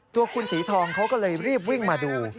ตัวคุณสีทองเขาก็เลยรีบวิ่งมาดู